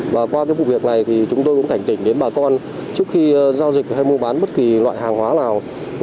và qua cái vụ việc này thì chúng tôi cũng cảnh tỉnh đến bà con trước khi giao dịch hay mua bán bất kỳ loại hàng hóa nào